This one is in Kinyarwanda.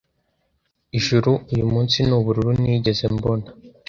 Ijuru uyumunsi nubururu nigeze mbona.